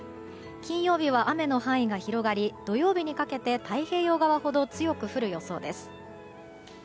金曜日は雨の範囲が広がり土曜日にかけて太平洋側ほど強く降る予想です。